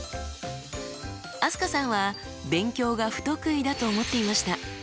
飛鳥さんは勉強が不得意だと思っていました。